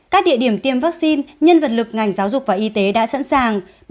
các địa điểm tiêm vaccine nhân vật lực ngành giáo dục và y tế đã sẵn sàng